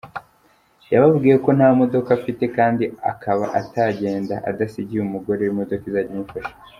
Yababwiye ko nta modoka afite kandi akaba atagenda adasigiye umugore we imodoka izajya imufasha.